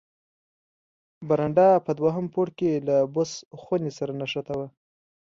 برنډه په دوهم پوړ کې له بوس خونې سره نښته وه.